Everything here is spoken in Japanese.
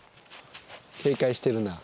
警戒してるな。